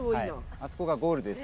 あそこがゴールです。